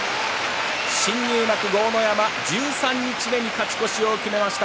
新入幕、豪ノ山十三日目に勝ち越しを決めました。